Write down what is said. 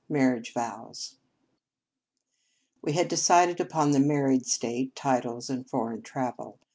Marriage Vows WE had decided upon the married estate, titles, and foreign travel.